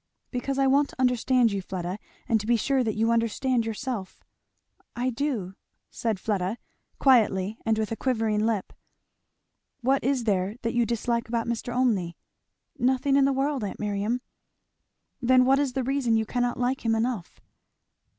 "Because I want to understand you, Fleda, and to be sure that you understand yourself." "I do," said Fleda, quietly and with a quivering lip. "What is there that you dislike about Mr. Olmney?" "Nothing in the world, aunt Miriam." "Then what is the reason you cannot like him enough?"